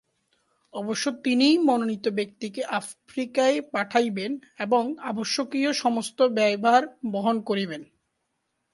অবশ্য তিনিই মনোনীত ব্যক্তিকে আফ্রিকায় পাঠাইবেন এবং আবশ্যকীয় সমস্ত ব্যয়ভার বহন করিবেন।